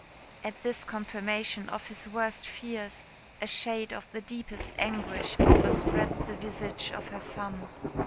At this confirmation of his worst fears a shade of the deepest anguish overspread the visage of her son.